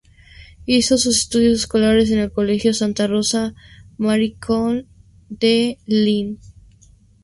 Hizo sus estudios escolares en el colegio Santa Rosa Maryknoll de Lince.